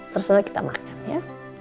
terus nanti kita makan ya